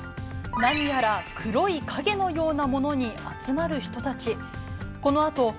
何やら黒い影のようなものに集まる人たち。